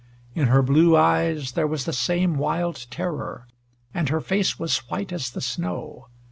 In her blue eyes there was the same wild terror, and her face was white as the snow.